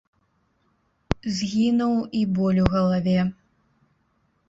Згінуў і боль у галаве.